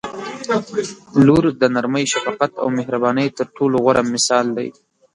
• لور د نرمۍ، شفقت او مهربانۍ تر ټولو غوره مثال دی.